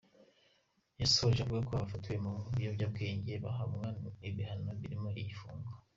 Yasoje avuga ko abafatiwe mu biyobyabwenge bahabwa ibihano birimo n’igifungo.